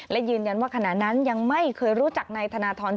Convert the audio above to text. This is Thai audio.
และยืนยันว่าขณะนั้นยังไม่เคยรู้จักนายธนทร